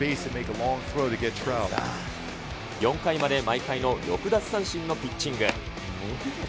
４回まで毎回の６奪三振のピッチング。